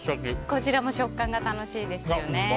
こちらも食感が楽しいですよね。